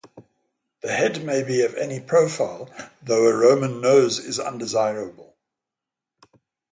The head may be of any profile though a Roman nose is undesirable.